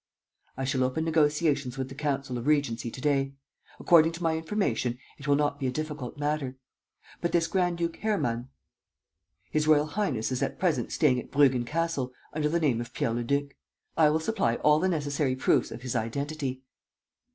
"I shall open negotiations with the Council of Regency to day. According to my information, it will not be a difficult matter. But this Grand duke Hermann. ..." "His Royal Highness is at present staying at Bruggen Castle, under the name of Pierre Leduc. I will supply all the necessary proofs of his identity."